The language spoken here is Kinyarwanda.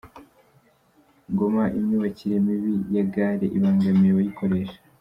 Ngoma Imyubakire mibi ya gare ibangamiye abayikoresha